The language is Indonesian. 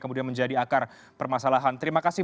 kemudian menjadi akar permasalahan terima kasih